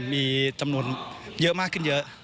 มีจำนวนเยอะมากขึ้นเยอะ